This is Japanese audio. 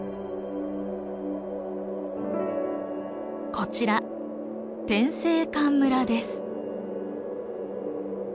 こちら天井関村です。